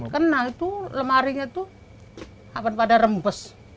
kena lemarinya itu rembes